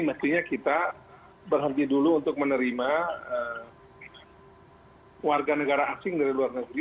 mestinya kita berhenti dulu untuk menerima warga negara asing dari luar negeri